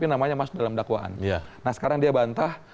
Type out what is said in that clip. nah sekarang dia bantah